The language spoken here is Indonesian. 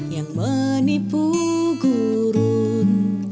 yang menipu gurun